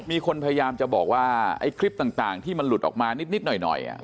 มีคนพยายามจะบอกว่าไอ้คลิปต่างต่างที่มันหลุดออกมานิดนิดหน่อยหน่อยอ่ะอืม